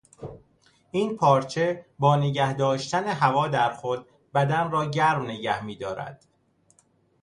این پارچه با نگهداشتن هوا در خود بدن را گرم نگه میدارد.